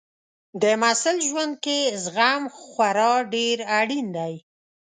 د محصل ژوند کې زغم خورا ډېر اړین دی.